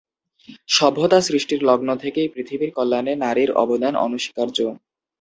সভ্যতা সৃষ্টির লগ্ন থেকেই পৃথিবীর কল্যাণে নারীর অবদান অনঃস্বীকার্য।